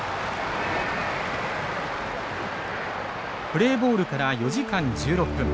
プレーボールから４時間１６分。